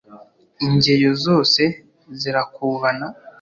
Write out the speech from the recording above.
Ingeyo zose zirakubana